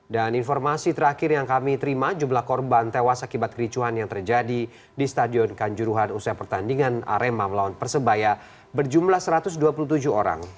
dan informasi terakhir yang kami terima jumlah korban tewas akibat kericuhan yang terjadi di stadion kanjuruhan usai pertandingan arema melawan persebaya berjumlah satu ratus dua puluh tujuh orang